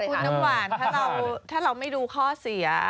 คุณน้ำหวานถ้าเราไม่ดูข้อเสีย